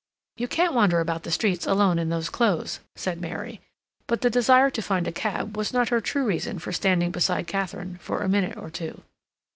"You can't wander about the streets alone in those clothes," said Mary, but the desire to find a cab was not her true reason for standing beside Katharine for a minute or two.